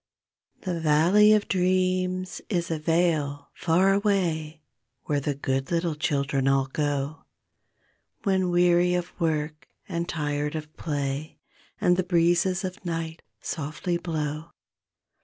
C he valley of dreams is a vale, far away, Where the good little children all go When weary of work and tired of play, And the breezes of night softly blow.